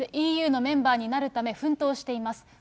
ＥＵのメンバーになるため奮闘しています。